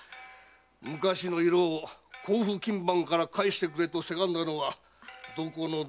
昔の情夫を甲府勤番から返してくれとせがんだのはどこのどいつだったかな？